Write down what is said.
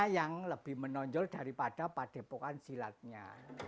yang lebih menonjol daripada padepokan silatnya